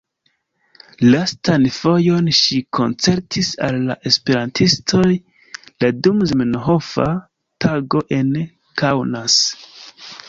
Lastan fojon ŝi koncertis al la esperantistoj la dum Zamenhofa Tago en Kaunas.